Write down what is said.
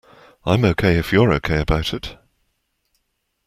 I'm OK if you're OK about it.